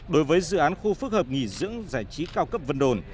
đối với dự án khu phức hợp nghỉ dưỡng giải trí cao cấp vân đồn